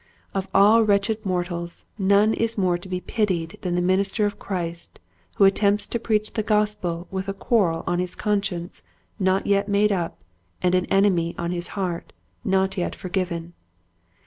Of all wretched mortals none is more to be pitied than the minister of Christ who attempts to preach the gospel with a quarrel on his conscience not yet made up and an enemy on his heart not yet forgiven.